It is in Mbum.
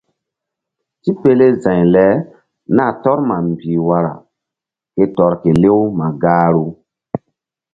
Tipele za̧y le nah tɔr ma mbih wara ke tɔr kelew ma gahru.